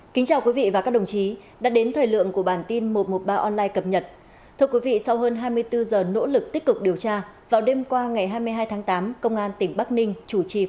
hãy đăng ký kênh để ủng hộ kênh của chúng mình nhé